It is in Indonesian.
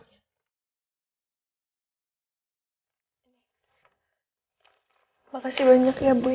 terima kasih banyak ya bu